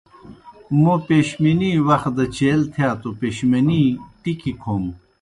موں پیشمِنِی وخ دہ چیل تِھیا توْ پیشمِنِی ٹِکیْ کھوم۔